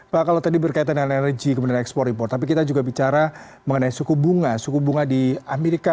pak kalau tadi berkaitan dengan energi kemudian ekspor impor tapi kita juga bicara mengenai suku bunga suku bunga di amerika